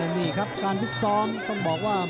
นี่ครับการพิกซ้อมต้องบอกว่า